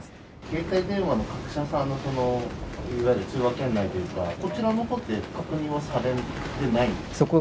携帯電話の各社さんのいわゆる通話圏内というか、こちらのほうって、確認はされてないんですか？